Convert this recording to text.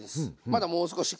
まだもう少し。